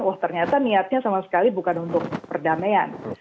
wah ternyata niatnya sama sekali bukan untuk perdamaian